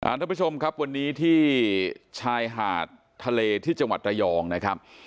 ทุกผู้ชมครับวันนี้ที่ชายหาดทะเลที่จังหวัดระยองนะครับ